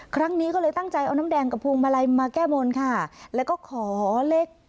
ครั้งนี้ก็เลยตั้งใจเอาน้ำแดงกับพวงมาลัยมาแก้บนค่ะแล้วก็ขอเลข